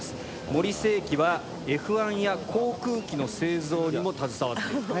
「森精機」はＦ１や航空機の製造にも携わっていると。